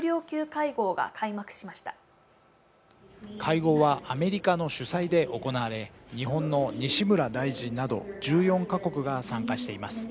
会合はアメリカの主催で行われ日本の西村大臣など１４か国が参加しています。